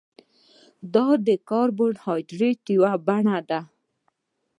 دا د کاربوهایډریټ یوه بڼه ده